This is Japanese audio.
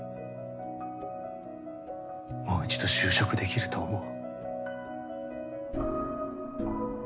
もう１度就職できると思う？